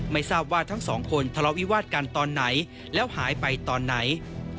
ไม่ทราบว่าทั้งสองคนทะเลาวิวาสกันตอนไหนแล้วหายไปตอนไหน